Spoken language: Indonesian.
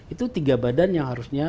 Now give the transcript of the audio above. itu tiga badan yang harusnya